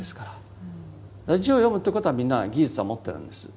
字を読むということはみんな技術を持ってるんです。